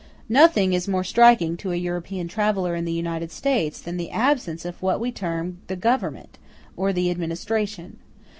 Nothing is more striking to an European traveller in the United States than the absence of what we term the Government, or the Administration.